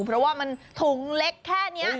เพราะว่ามันถุงเล็กแค่นี้